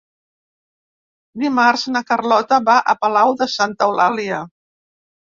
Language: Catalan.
Dimarts na Carlota va a Palau de Santa Eulàlia.